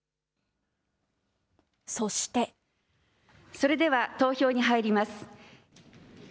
それでは投票に入ります。